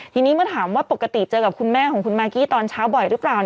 ทีนี้เมื่อถามว่าปกติเจอกับคุณแม่ของคุณมากกี้ตอนเช้าบ่อยหรือเปล่า